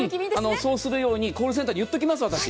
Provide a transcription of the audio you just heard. そうするようにコールセンターに言っておきます、私。